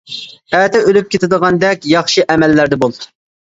ئەتە ئۆلۈپ كېتىدىغاندەك ياخشى ئەمەللەردە بول.